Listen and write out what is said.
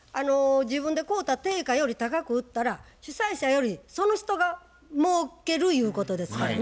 自分で買うた定価より高く売ったら主催者よりその人がもうけるゆうことですからね。